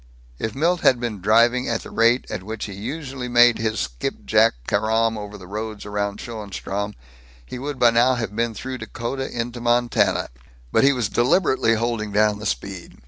If Milt had been driving at the rate at which he usually made his skipjack carom over the roads about Schoenstrom, he would by now have been through Dakota, into Montana. But he was deliberately holding down the speed.